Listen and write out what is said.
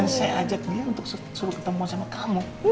dan saya ajak dia untuk suruh ketemu sama kamu